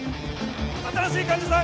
新しい患者さん